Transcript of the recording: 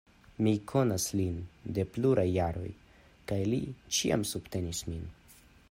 Mi konas lin de pluraj jaroj, kaj li ĉiam subtenis min.